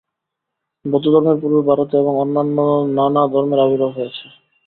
বৌদ্ধধর্মের পূর্বেও ভারতে এবং অন্যত্র নানা ধর্মের আবির্ভাব হয়েছে।